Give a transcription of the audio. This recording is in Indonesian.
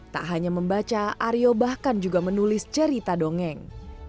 tak hanya membaca aryo bahkan juga menulis cerita dongeng